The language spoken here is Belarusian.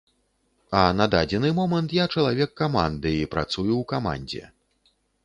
А на дадзены момант я чалавек каманды і працую ў камандзе.